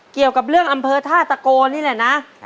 เกี่ยวกับเรื่องอำเภอท่าตะโกนนี่แหละนะ